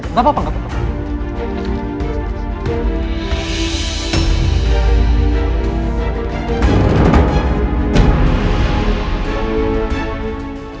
gak usah gak usah gak usah saya aja saya aja gak apa apa